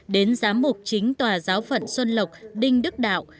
đến giám mục chính tòa giáo phận xuân lộc đinh đức đạo